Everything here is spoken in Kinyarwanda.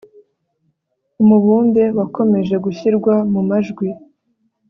umubumbe wakomeje gushyirwa mu majwi